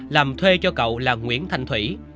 làm thuê cho cậu là nguyễn thanh thủy